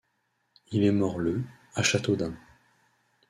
Il est mort le à Châteaudun.